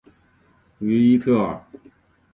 于伊特尔。